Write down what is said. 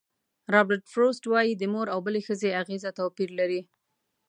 رابرټ فروسټ وایي د مور او بلې ښځې اغېزه توپیر لري.